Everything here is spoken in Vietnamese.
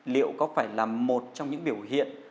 liệu có phải là một trong những biểu hiện